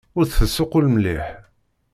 Ur d-tessuqqul mliḥ.